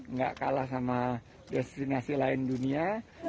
nggak kalah sama destinasi lain dunia